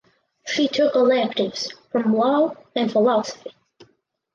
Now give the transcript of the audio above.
She took electives from law and philosophy.